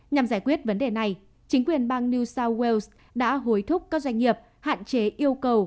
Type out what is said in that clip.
nhằm giải quyết vấn đề này chính quyền bang new south wales đã hối thúc các doanh nghiệp hạn chế yêu cầu